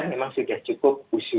memang sudah cukup